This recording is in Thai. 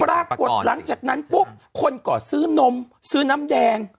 หลังจากนั้นปุ๊บคนก่อซื้อนมซื้อน้ำแดง